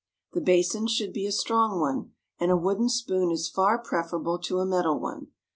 The basin should be a strong one, and a wooden spoon is far preferable to a metal one.